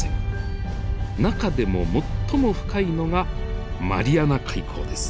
中でも最も深いのがマリアナ海溝です。